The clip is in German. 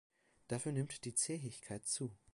Dafür nimmt die Zähigkeit zu.